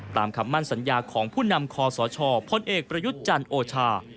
คำมั่นสัญญาของผู้นำคอสชพลเอกประยุทธ์จันทร์โอชา